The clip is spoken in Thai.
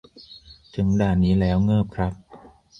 ถึงด่านนี้แล้วเงิบครับ